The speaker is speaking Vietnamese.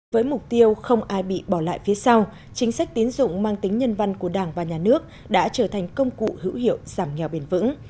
với mục tiêu không ai bị bỏ lại phía sau chính sách tiến dụng mang tính nhân văn của đảng và nhà nước đã trở thành công cụ hữu hiệu giảm nghèo bền vững